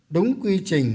đúng quy trình